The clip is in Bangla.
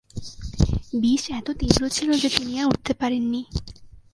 বিষ এত তীব্র ছিল যে, তিনি আর উঠতে পারেননি।